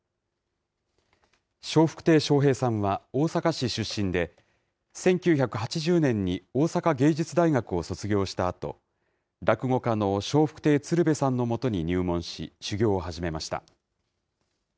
笑福亭笑瓶さんは大阪市出身で、１９８０年に大阪芸術大学を卒業したあと、落語家の笑福亭鶴瓶さんのもとに入門し、修業を始めました。